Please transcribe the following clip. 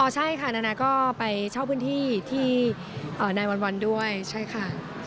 ใช่ค่ะนานาก็ไปเช่าพื้นที่ที่นายวันด้วยใช่ค่ะ